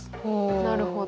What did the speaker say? なるほど。